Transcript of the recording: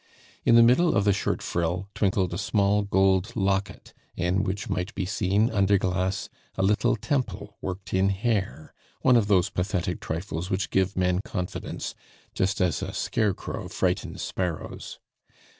In the middle of the shirt frill twinkled a small gold locket, in which might be seen, under glass, a little temple worked in hair, one of those pathetic trifles which give men confidence, just as a scarecrow frightens sparrows.